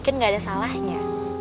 kan gak ada salahnya